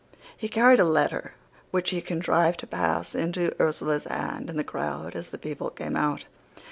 He carried a letter which he contrived to pass into Ursula's hand in the crowd as the people came out.